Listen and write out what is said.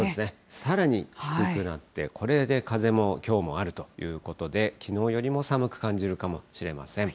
さらに低くなって、これで風もきょうもあるということで、きのうよりも寒く感じるかもしれません。